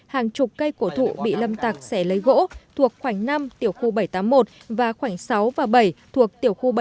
hàng chục cây cổ thụ bị lâm tạc sẻ lấy gỗ thuộc khoảnh năm tiểu khu bảy trăm tám mươi một và khoảnh sáu và bảy thuộc tiểu khu bảy trăm năm mươi hai